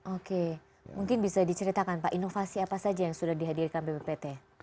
oke mungkin bisa diceritakan pak inovasi apa saja yang sudah dihadirkan bppt